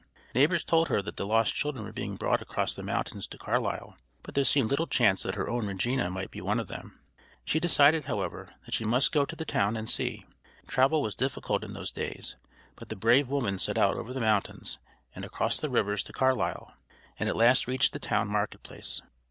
Neighbors told her that the lost children were being brought across the mountains to Carlisle, but there seemed little chance that her own Regina might be one of them. She decided, however, that she must go to the town and see. Travel was difficult in those days, but the brave woman set out over the mountains and across the rivers to Carlisle, and at last reached the town market place.